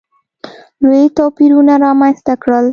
لوی توپیرونه رامځته کړل.